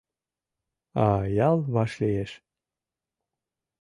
А ял вашлиеш.